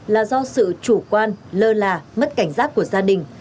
là do sự chủ quan lơ là mất cảnh giác của gia đình